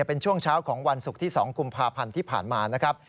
เป็นช่วงเช้าของวันศุกร์ที่๒กุมภาพันธ์ที่ผ่านมานะครับ